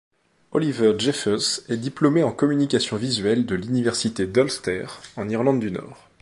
Oliver Jeffers est diplômé en communication visuelle de l'Université d'Ulster, en Irlande du Nord.